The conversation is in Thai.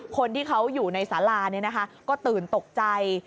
คนที่เขาอยู่ในสาราก็ตื่นตกใจ